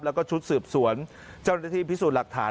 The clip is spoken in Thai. แล้วก็ชุดสืบสวนเจ้าหน้าที่พิสูจน์หลักฐาน